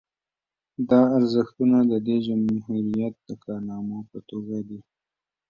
دا ارزښتونه د دې جمهوریت د کارنامو په توګه دي